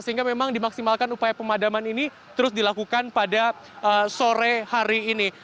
sehingga memang dimaksimalkan upaya pemadaman ini terus dilakukan pada sore hari ini